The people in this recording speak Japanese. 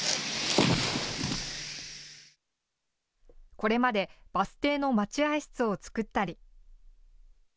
これまでバス停の待合室を作ったり。